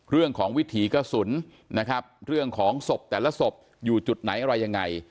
เรื่องของวิถีกระสุนนะครับเรื่องของศพแต่ละศพอยู่จุดไหนอะไรยังไง